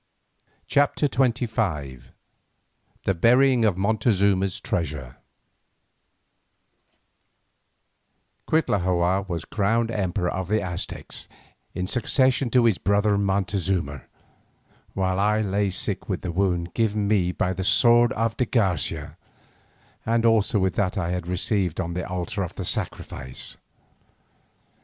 CHAPTER XXV THE BURYING OF MONTEZUMA'S TREASURE Cuitlahua was crowned Emperor of the Aztecs in succession to his brother Montezuma, while I lay sick with the wound given me by the sword of de Garcia, and also with that which I had received on the altar of sacrifice.